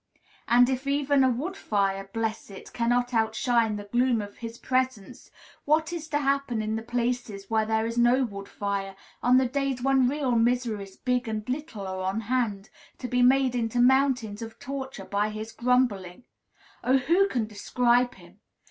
And, if even a wood fire, bless it! cannot outshine the gloom of his presence, what is to happen in the places where there is no wood fire, on the days when real miseries, big and little, are on hand, to be made into mountains of torture by his grumbling? Oh, who can describe him?